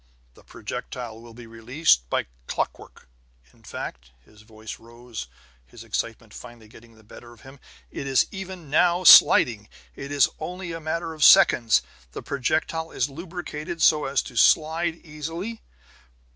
The projectile will be released by clockwork. In fact" his voice rose, his excitement finally getting the better of him "it is even now sliding! It is only a matter of seconds; the projectile is lubricated so as to slide easily."